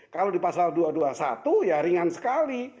kalau di pasal dua ratus dua puluh satu ya ringan sekali